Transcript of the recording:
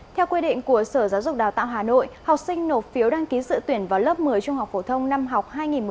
theo quy định của sở giáo dục đào tạo hà nội học sinh nộp phiếu đăng ký sự tuyển vào lớp một mươi trung học phổ thông năm học hai nghìn một mươi chín hai nghìn hai mươi